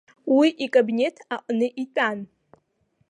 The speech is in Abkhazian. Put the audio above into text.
Уи икабинет аҟны итәан.